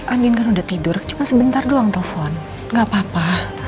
angin kan udah tidur cuma sebentar doang telepon gak apa apa